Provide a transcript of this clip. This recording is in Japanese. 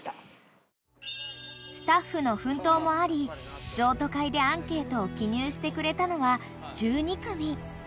［スタッフの奮闘もあり譲渡会でアンケートを記入してくれたのは１２組］